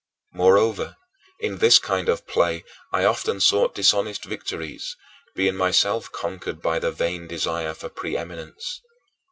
Moreover, in this kind of play, I often sought dishonest victories, being myself conquered by the vain desire for pre eminence.